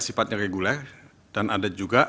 sifatnya reguler dan ada juga